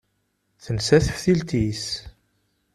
Tensa teftilt-is.